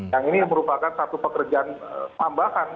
yang ini merupakan satu pekerjaan tambahan